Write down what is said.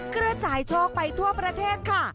เพื่อจ่ายโชคไปทั่วประเทศค่ะ